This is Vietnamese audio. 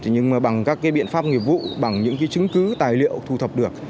nhưng mà bằng các cái biện pháp nghiệp vụ bằng những cái chứng cứ tài liệu thu thập được